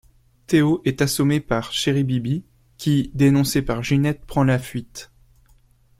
Théo est assommé par Chéri-Bibi qui, dénoncé par Ginette, prend la fuite.